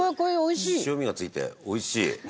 塩味が付いておいしい。